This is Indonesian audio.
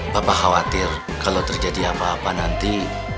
bapak khawatir kalau terjadi apa apa nanti